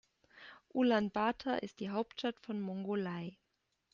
Ulaanbaatar ist die Hauptstadt von Mongolei.